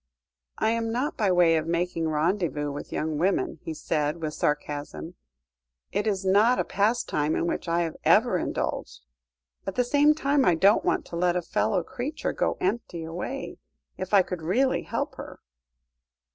"I am not by way of making rendezvous with young women," he said with sarcasm; "it is not a pastime in which I have ever indulged. At the same time, I don't want to let a fellow creature go empty away, if I could really help her."